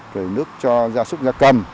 rồi nước cho gia súc gia cầm